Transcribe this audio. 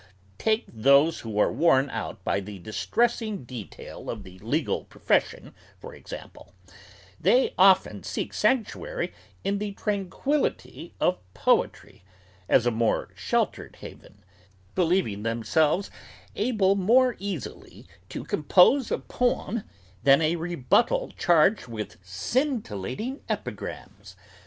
Take those who are worn out by the distressing detail of the legal profession, for example: they often seek sanctuary in the tranquillity of poetry, as a more sheltered haven, believing themselves able more easily to compose a poem than a rebuttal charged with scintillating epigrams!